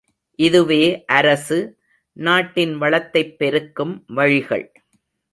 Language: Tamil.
இதுவே அரசு, நாட்டின் வளத்தைப் பெருக்கும் வழிகள்!